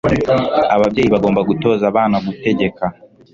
Ababyeyi bagomba gutoza abana gutegeka